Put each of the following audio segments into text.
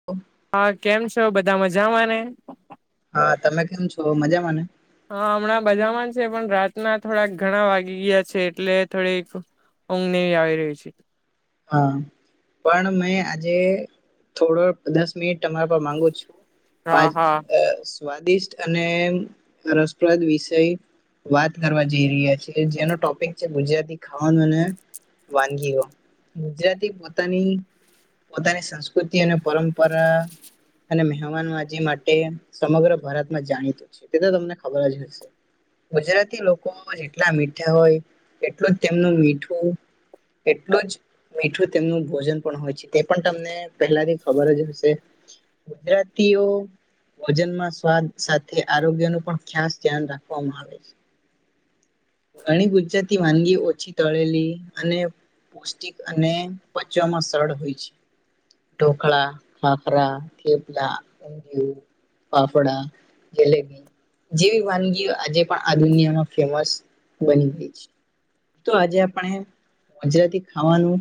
[inaudible] હા કેમ છો? બધા મજામાં ને? હા તમે કેમ છો? મજા ને? હા હમણાં બધામાં છે પણ રાતના થોડાક ઘણા વાગી ગયા છે એટલે થોડીક ઊંધ ને આવી રહી છે. હા પણ મેં આજે થોડો દસ મિનિટ તમારા પર માંગુ છું. હા પાંચ હા સ્વાદિષ્ટ અને રસપ્રદ વિષય વાત કરવા જઈ રહ્યા છીએ જેનો ટોપિક છે ગુજરાતી ખાવાનું અને વાનગીઓ. ગુજરાતી પોતાની પોતાની સંસ્કૃતિ અને પરંપરા અને મહેમાનબાજી માટે સમગ્ર ભારતમાં જાણીતું છે. તે તો તમને ખબર જ હશે. ગુજરાતી લોકો જેટલા મીઠા હોય એટલું જ તેમનું મીઠું એટલું જ મીઠું તેમનું ભોજન પણ હોય છે તે પણ તમને પહેલાથી ખબર જ હશે. ગુજરાતીઓ ભોજનમાં સ્વાદ સાથે આરોગ્ય નું પણ ખાસ ધ્યાન રાખવામાં આવે છે. ઘણી ગુજરાતી વાનગી ઓછી તળેલી અને પૌષ્ટિક અને પચવામાં સરળ હોય છે. ઢોકળા, ખાખરા, થેપલા, ઊંધિયું, ફાફડા, જલેબી, જેવી વાનગીઓ આજે પણ આ દુનિયામાં ફેમસ બની ગઈ છે. તો આજે આપણે ગુજરાતી ખાવાનું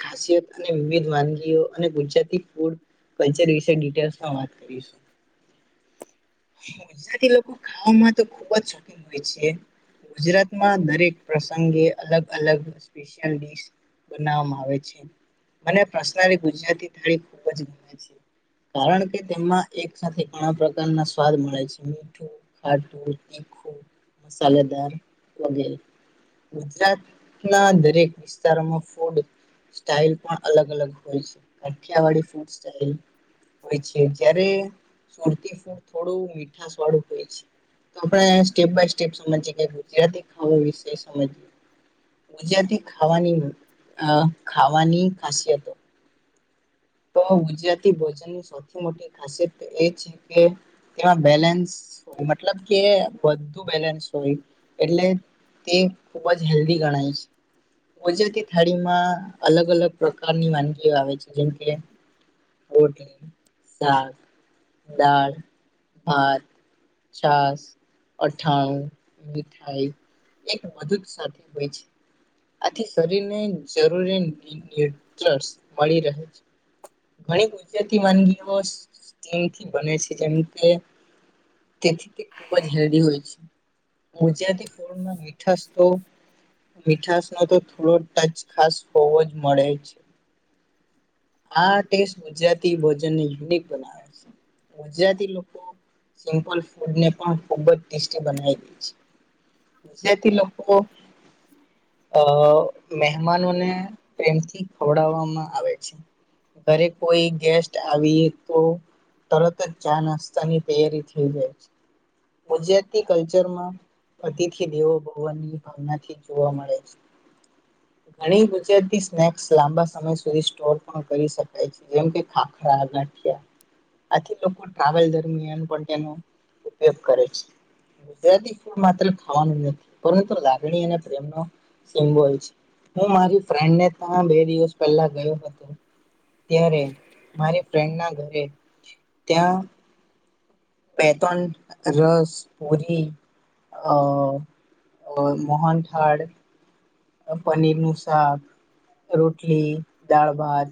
ખાસિયત અને વિવિધ વાનગીઓ અને ગુજરાતી ફૂડ કલ્ચર વિશે ડિટેલ્સમાં વાત કરીશું. ગુજરાતી લોકો ખાવામાં તો ખુબ જ શોખીન હોય છે. ગુજરાતમાં દરેક પ્રસંગે અલગ અલગ સ્પેશિયલ ડીશ બનાવવામાં આવે છે. મને પર્સનલી ગુજરાતી થાળી ખુબ જ ગમે છે. કારણ કે તેમાં એક સાથે ઘણા પ્રકારના સ્વાદ મળે છે. મીઠું ખાટુ, તીખું, મશાલેદાર વગેરે. ગુજરાત ના દરેક વિસ્તારોમાં ફૂડ સ્ટાઈલ પણ અલગ અલગ હોય છે. કાઠિયાવાડી ફૂડ સ્ટાઈલ હોય છે. જયારે સુરતી ફૂડ થોડું મીઠાસ વાળું હોય છે. તો આપણે સ્ટેપ બાય સ્ટેપ સમજીએ કે ગુજરાતી ખાવા વિશ વિશે સમજીએ. ગુજરાતી ખાવાની ખાવાની ખાસિયતો તો ગુજરાતી ભોજનની સૌથી મોટી ખાસિયત એ છે કે ત્યાં બેલેન્સ મતલબ કે બધું બેલેન્સ હોય એટલે તે ખુબ જ હેલ્ધી ગણાય છે. ગુજરાતી થાળીમાં અલગ અલગ પ્રકારની વાનગીઓ આવે છે. જેમ કે રોટલી, શાક. દાળ, ભાત, છાશ. અઠાણું, મીઠાઈ એક બધું જ સાથે હોય છે. આથી શરીરને જરૂરી ન્યુટ્રશ મળી રહે છે. ઘણી ગુજરાતી વાનગીઓ સમથી બને છે. જેમ કે તેથી તે ખૂબ જ હેલ્ધી હોય છે. ગુજરાતી ફૂડમાં મીઠાસ તો મીઠાશનો તો થોડો ટચ ખાસ હોવો જ મળે છે. આ ટેસ્ટ ગુજરાતી ભોજનને યુનિક બનાવે છે. ગુજરાતી લોકો સિમ્પલ ફૂડને પણ ખુબ જ ટેસ્ટી બનાવી દે છે. ગુજરાતી લોકો અ મહેમાનોને પ્રેમથી ખવડવામાં આવે છે. ઘરે કોઈ ગેસ્ટ આવી તો તરત જ ચા, નાસ્તાની તૈયારી થઈ જાય છે. ગુજરાતી કલ્ચરમાં અતિથી દેવો ભવની ભાવનાથી જોવા મળે છે. ઘણી ગુજરાતી સ્નેક્સ લાંબા સમય સુધી સ્ટોર પણ કરી શકાય છે. જેમ કે ખાખરા, ગાઠિયા આથી લોકો ટ્રાવેલ દરમિયાન પણ તેનો ઉપયોગ કરે છે. ગુજરાતી ફૂડ માત્ર ખાવાનું નથી, પરંતુ લાગણી અને પ્રેમનો સિમ્બોલ છે. હું મારી ફ્રેન્ડને ત્યા બે દિવસ પહેલા ગયો હતો. ત્યારે મારી ફ્રેન્ડના ઘરે ત્યાં પેટન રસ, પૂરી. અ અ મોહનથાળ. પનીરનું શાખ, રોટલી, દાળ ભાત.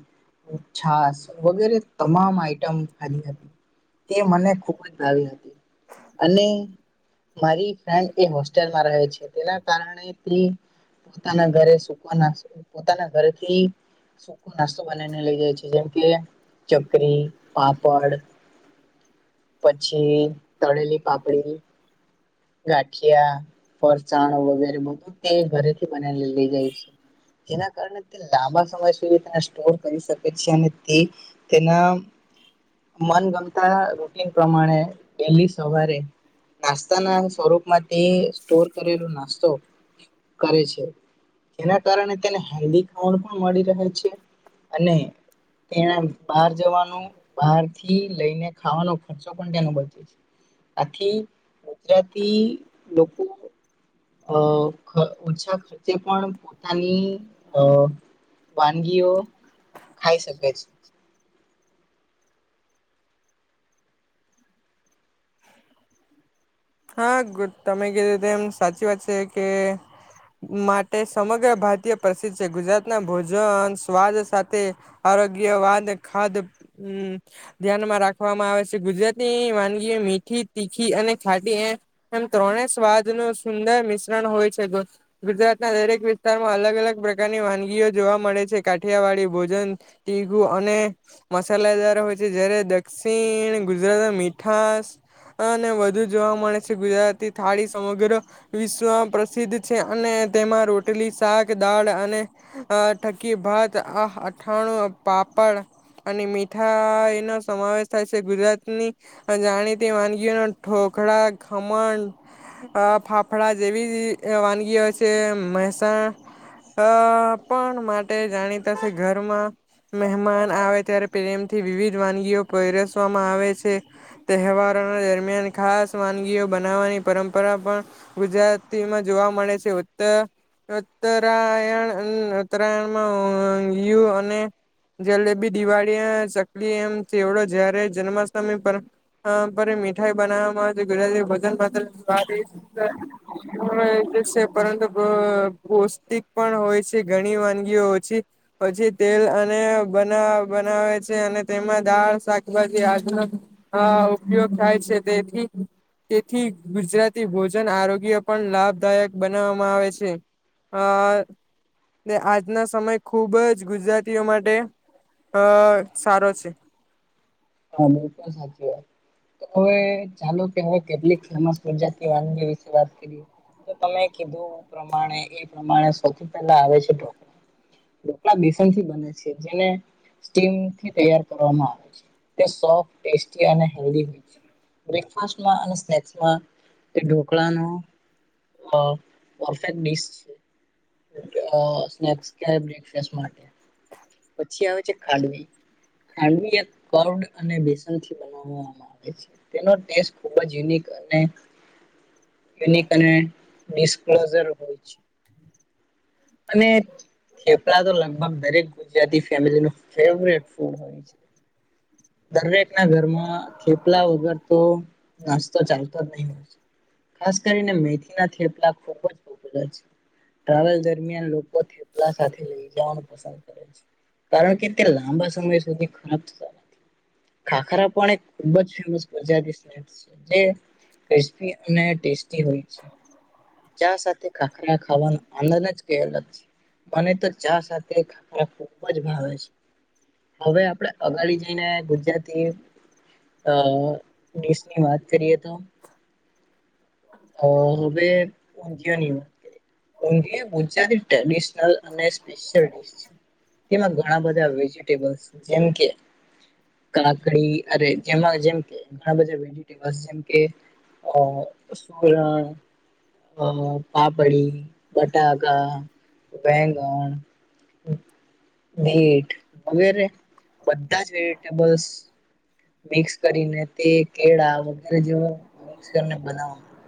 છાસ વગેરે તમામ આઈટમ ખાધી હતી. તે મને ખુબ જ ભાવી હતી. અને મારી ફ્રેન્ડ તે હોસ્ટેલમાં રહે છે. તેના કારણે તે પોતાના ઘરે સુકો નાસ્તો પોતાના ઘરેથી સૂકો નાસ્તો બનાઈને લઇ જાય છે, જેમ કે ચકરી, પાપડ પછી તળેલી પાપડી. ગાઠિયા, ફરસાણ વગેરે બધું તે ઘરેથી બનાઈને લઈ જાય છે. જેના કારણે તે લાંબા સમય સુધી તેને સ્ટોર કરી શકે છે. અને તે તેના મનગમતા રૂટીન પ્રમાણે ડેલી સવારે નાસ્તાના સ્વરૂપમાં તે સ્ટોર કરેલો નાસ્તો કરે છે. જેના કારણે તેને હેલ્ધી ખાવાનું પણ મળી રહે છે. અને તેને બહાર જવાનું, બહારથી લઈને ખાવાનો ખર્ચો પણ તેનો બચે છે. આથી ગુજરાતી લોકો અ ઓછા ખર્ચે પણ પોતાની અ વાનગીઓ ખાઈ શકે છે હા ગ તમે કધતે એમ સાચી વાત છે કે માટે સમગ્ર ભારતીય પ્રસિદ્ધ છે ગુજરાતના ભોજન સ્વાદ સાથે આરોગ્ય વાદ ખાદ હમ્મ ધ્યાનમાં રાખવામાં આવે છે ગુજરાતી વાનગીઓ મીઠી, તીખી અને છાડી એ એમ ત્રણે સ્વાદ નુ સુંદર મિશ્રણ હોય છે. ગુજરાતના દરેક વિસ્તારમાં અલગ અલગ પ્રકારની વાનગીઓ જોવા મળે છે કાઠિયાવાડી ભોજન, ટીગું અને મસાલાદારો હોય છે જયારે દક્ષિણ ગુજરાત મીઠાસ અને વધુ જોવા મળે છે ગુજરાતી થાળી સમગ્ર વિશ્વ પ્રસિદ્ધ છે અને તેમાં રોટલી, શાક, દાળ અને અઆ થકી ભાત, અઠાણું, પાપડ, અને મીઠાઇનો સમાવેશ થાય છે, ગુજરાતની જાણીતી વાનગીઓ ઢોકળા, ખમણ, ફાફડા જેવી વાનગી હોય છે મહેસાણા, અ પણ માટે જાણીતાશે ઘરમાં મહેમાન આવે ત્યારે પ્રેમથી વિવિધ વાનગીઓ પરરસવામાં આવે છે. તહેવારોના દરમિયાન ખાસ વાનગીઓ બનાવવાની પરંપરા પણ ગુજરાતીમાં જોવા મળે છે ઉત્તર ઉત્તરાયણ ઉત્તરાયણમાં યુ અને જલેબી દિવાળી ચકલી એમ ચવડો જયારે જન્માષ્ટમી પર પર મીઠાઈ બનાવવામાં ગુજરાતી ભજન પાત્ર હા એ તો છે પરંતુ પૌષ્ટિક પણ હોય છે ઘણી વાનગીઓ ઓછી પછી તેલ અને બ બનાવે છે અને તેમાં દાળ, શાકભાજી આજ હા ઉપયોગ થાય છે તેથી તેથી ગુજરાતી ભોજન આરોગ્ય પણ લાભદાયક બનાવવામાં આવે છે. [inaudible] આજના સમય ખુબ જ ગુજરાતીઓ માટે અ સારો છે. [inaudible] તો હવે ચાલો કે હવે કેટલીક ફેમસ ગુજરાતી વાનગી વિશે વાત કરીએ તો તમે કીધું પ્રમાણે એ પ્રમાણે સૌથી પહેલા આવે છે ઢોકળા બેસનથી બને છે, જેને સ્ટીમ થી તૈયાર કરવામાં આવે છે. તે સોફ્ટ ટેસ્ટી અને હોય છે. બ્રેકફાસમાં અને સ્નેક્સમાં ઢોકળાનો હ પરફેક્ટ ડિશ અ સ્નેક્સ કે બ્રેકફાસ માટે પછી આવે છે ખાડવી ખાડવી એ [unintelligible] બેસનથી બ આવે છે તેનો ટેસ્ટ ખુબ જ યુનિક અને યુનિક અને ડિસ્લોઝર હોય છે. અને થેપલા તો લગભગ દરેક ગુજરાતી ફેમિલીનુ ફેવરેટ ફૂડ હોય છે. દરેકના ઘરમાં થેપલા વગર તો નાસ્તા ચાલતો જ નહી હોય છે. ખાસ કરીને મેથીના થેપલા ખૂબ જ [unintelligible] ટ્રાવેલ દરમિયાન દરમિયાન લોકો થેપલા સાથે લઈ જવાનું પસંદ કરે છે. કારણ કે તે લાંબા સમય સુધી ખરાબ થતા નથી ખાખરા પણ એક ખુબ જ ફેમસ મજાની સ્નેક છે ક્રિસ્પી અને ટેસ્ટી હોય છે. ચા સાથે ખાખરા ખાવાનો આનંદ જ છે મને તો ચા સાથે ખ ખુબ જ ભાવે છે. હવે આપડે અગાડી જઈને ગુજરાતી અ ડિશની વાત કરીએ તો, [inaudible] હ હવે ઉધીયુની વાત કરી, ઉંધિયુ ગુજરાતી ટેડિશનલ અને સ્લ તેમાં ઘણા બધા વેજીિટેબ જેમ કે કાકડી અરે જેમાં જેમકે ઘણા બધા વેજીટેબસ જેમ કે હ સૂરણ અ પાપડી બટાકાા બેંગણ બીટ વગેરે બધા જ વેજિટેબલ્સ મિક્સ કરીને તે કેળા વગેરે જેવ મિક્સ કરીને બનાવવામાં આવે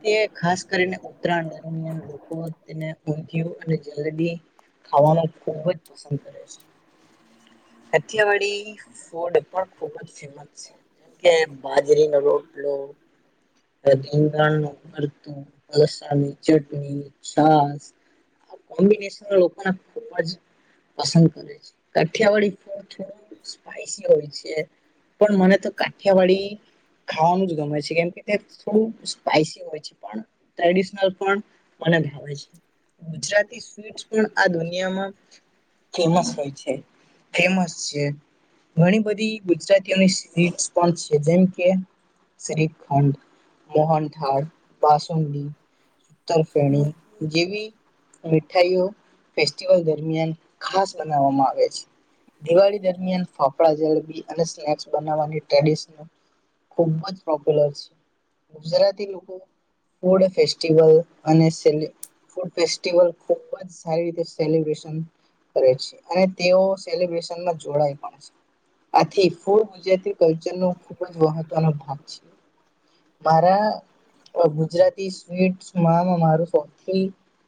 તે ખાસ કરીને ઉત્તરાયણ દરમ્યાન તેને ંધિય અને જી ખાવાવામાં ખુબ જ પસંદ કરે છે હઠિયાવાડીી ફૂડ પણ ખૂબ જ ફેમસ જેમ કે બાજરીનોો રોટલો ીંધાણ નુંરતું અસાની ચટણી છાસ કોમ્બિનેશન લોકોને ખૂબ જ પસંદ કરે છે કઠિયાવાડી થોડું સ્પાઈસી હોય છે પણ મને તો કાઠિયાવાડી ખાવાનું જ ગમે છે કેમ કે તે થોડું સ્પાઈસી હોય છે પણ ટ્રેડિશનલ પણ મ ભાવે છે ગુજરાતી સ્ટ પણ આ દુનિયામાં ફેમસ હોય છે ફેમસ છે ઘણી બધી ગુજરાતીઓની સ્વીટ પણ છે જેમ કે શ્રીખંડ મોહનથાડ બાસુંદી તરફેણી જેવી મીઠાઈઓ ફેસ્ટિવલ દરમિયાન ખાસ બનાવવામાં આવે છે દિવાળી દરમિયાન ફાફડા જડબી અને સ્નેક્સ બનાવવાની ટડિશનલ ખુબ જ પોપ્યુલર છે ગુજરાતી લોકો ફૂડ ખુબ જ સારી રીતે સેલિબ્રેસ્ન કરે છે અને તેઓ સેલિબ્રેશનમાં જોડાય પણ છે આથી ફૂળ ગુજરાતી કચન ન ખૂબ જ મહત્વનો ભાગ છે મારા ગુજરાતી સ્વીટ્ મારું સૌથી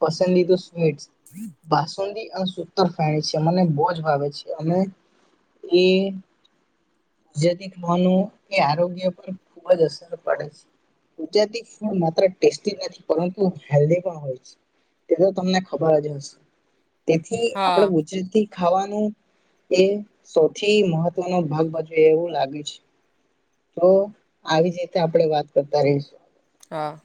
પસંદીું સ્વીટ્ [inaudible] બાસુંદી અને સતર ફણી છે મને બોજ વાવે છે અ એ િક ભનું એ આરોગ્ય પર ખુબ જ અસર પડે છે ગુજરાતી ફૂડ માત્ર ટેી નથી પરંતુ હેલ્ધ પણ હોય છે તે તો તમને ખબર જ હશે તેથી આપડે હા ગુજરાતીથી ખાવાનું એ સૌથી મહત્વનોો ભાગ બજવે એવું લાગે છે તો આવી જ રીતે આપણેે વાત કરતા રહીશું હા